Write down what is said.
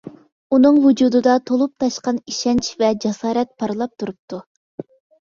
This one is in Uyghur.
ئۇنىڭ ۋۇجۇدىدا تولۇپ تاشقان ئىشەنچ ۋە جاسارەت پارلاپ تۇرۇپتۇ.